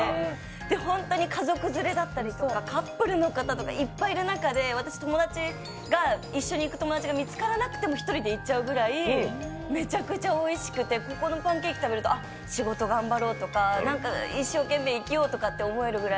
ホントに家族連れだったりカップルの方がいっぱいいる中で、友達が一緒に行く友達が見つからなくても１人で行っちゃうぐらいめちゃくちゃおいしくて、ここのパンケーキ食べるとあ、仕事頑張ろうとか、一生懸命生きようとかって思えるぐらい。